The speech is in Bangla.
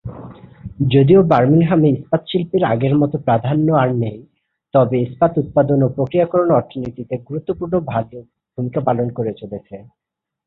যদিও বার্মিংহামে ইস্পাত শিল্পের আগের মতো প্রাধান্য আর নেই, তবে ইস্পাত উৎপাদন ও প্রক্রিয়াকরণ অর্থনীতিতে গুরুত্বপূর্ণ ভূমিকা পালন করে চলেছে।